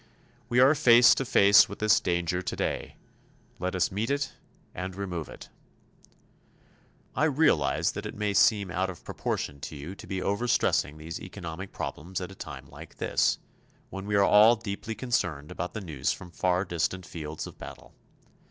We are face to face with this danger today. Let us meet it and remove it. I realize that it may seem out of proportion to you to be over stressing these economic problems at a time like this, when we are all deeply concerned about the news from far distant fields of battle.